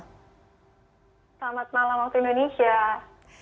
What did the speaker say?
selamat malam waktu indonesia